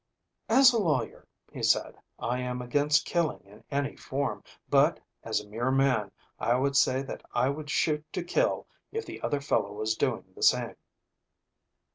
"As a lawyer," he said, "I am against killing in any form, but as a mere man I would say that I would shoot to kill if the other fellow was doing the same."